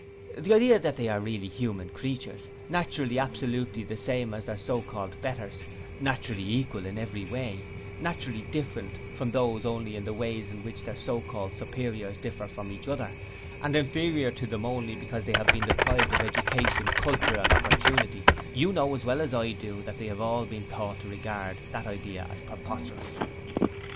The idea that they are really human creatures, naturally absolutely the same as their so called betters, naturally equal in every way, naturally different from them only in those ways in which their so called superiors differ from each other, and inferior to them only because they have been deprived of education, culture and opportunity you know as well as I do that they have all been taught to regard that idea as preposterous.